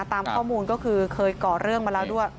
ตามข้อมูลก็คือเคยก่อเรื่องมาแล้วด้วย